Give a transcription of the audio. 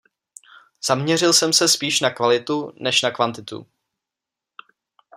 Zaměřil jsem se spíš na kvalitu než na kvantitu.